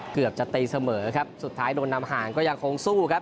เกือบจะตีเสมอครับสุดท้ายโดนนำห่างก็ยังคงสู้ครับ